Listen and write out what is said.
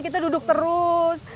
kita duduk terus